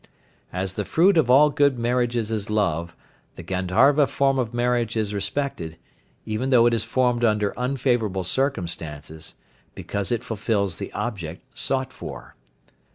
As the fruit of all good marriages is love, the Gandharva form of marriage is respected, even though it is formed under unfavourable circumstances, because it fulfils the object sought for.